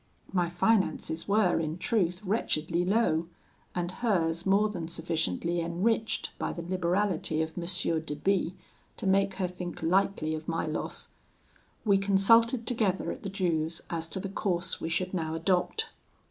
My finances were in truth wretchedly low, and hers more than sufficiently enriched by the liberality of M. de B to make her think lightly of my loss. We consulted together at the Jew's as to the course we should now adopt.